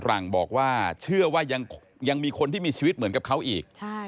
หลังบอกว่าเชื่อว่ายังมีคนที่มีชีวิตเหมือนกับเขาอีก